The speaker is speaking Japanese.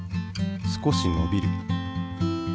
少しのびる。